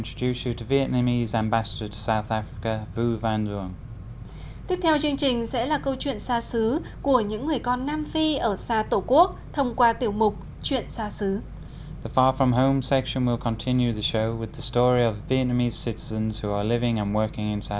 tiếp theo chương trình sẽ là câu chuyện xa xứ của những người con nam phi ở xa tổ quốc thông qua tiểu mục chuyện xa xứ